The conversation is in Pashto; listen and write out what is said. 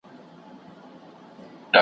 پکښي ناست به د ناحقه شاهدان ول .